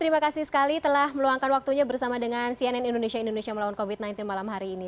terima kasih sekali telah meluangkan waktunya bersama dengan cnn indonesia indonesia melawan covid sembilan belas malam hari ini